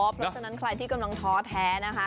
เพราะฉะนั้นใครที่กำลังท้อแท้นะคะ